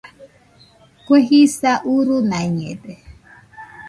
Kue jisa urunaiñede